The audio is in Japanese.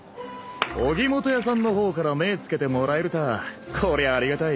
荻本屋さんの方から目ぇ付けてもらえるたぁこりゃありがたい。